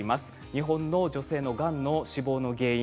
日本の女性のがんの死亡の原因